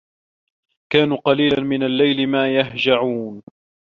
كانوا قَليلًا مِنَ اللَّيلِ ما يَهجَعونَ